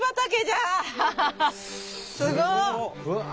すごっ！